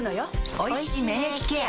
おいしい免疫ケア